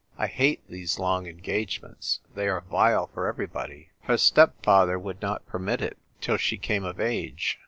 "I hate these long engagements I They are vile for everybody !"" Her stepfather v^ould not permit it till she came of age.